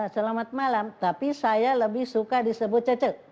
selamat malam tapi saya lebih suka disebut cecek